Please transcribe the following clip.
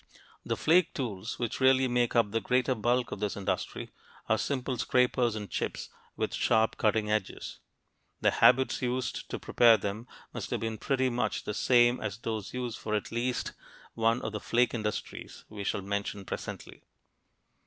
The flake tools, which really make up the greater bulk of this industry, are simple scrapers and chips with sharp cutting edges. The habits used to prepare them must have been pretty much the same as those used for at least one of the flake industries we shall mention presently.